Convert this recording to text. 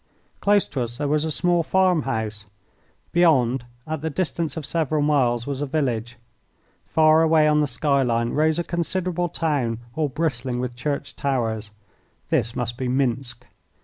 Close to us there was a small farm house. Beyond, at the distance of several miles, was a village. Far away on the sky line rose a considerable town all bristling with church towers. This must be Minsk.